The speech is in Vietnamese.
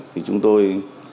thì chúng tôi